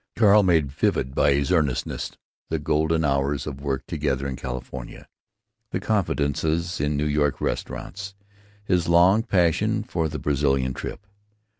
Carl made vivid by his earnestness the golden hours of work together in California; the confidences in New York restaurants; his long passion for their Brazilian trip.